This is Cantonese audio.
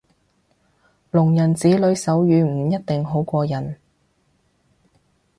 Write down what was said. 聾人子女手語唔一定好過人